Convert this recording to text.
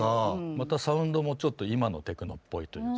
またサウンドもちょっと今のテクノっぽいというか。